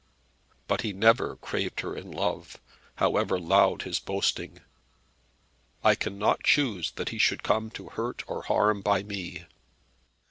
But he never craved her in love, however loud his boasting. I cannot choose that he should come to hurt or harm by me.